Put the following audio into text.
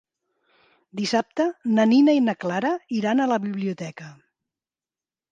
Dissabte na Nina i na Clara iran a la biblioteca.